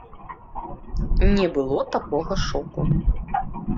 Не было такога шоку.